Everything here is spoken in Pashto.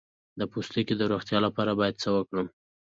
د پوستکي د روغتیا لپاره باید څه وکړم؟